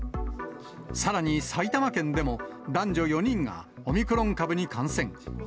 さらに埼玉県でも、男女４人がオミクロン株に感染。